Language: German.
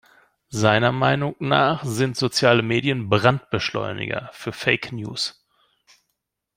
Seiner Meinung nach sind soziale Medien Brandbeschleuniger für Fake-News.